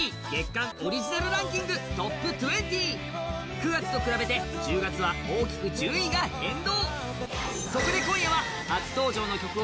９月と比べて１０月は大きく順位が変動。